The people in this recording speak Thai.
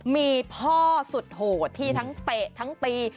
มีพ่อสุดโหดที่ทั้งเตะทั้งตี